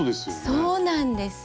そうなんです！